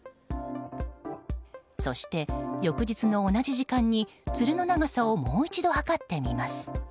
そして、翌日の同じ時間につるの長さをもう一度測ってみます。